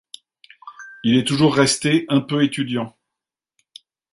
il est toujours resté un peu étudiant.